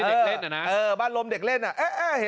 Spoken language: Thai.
กะลาวบอกว่าก่อนเกิดเหตุ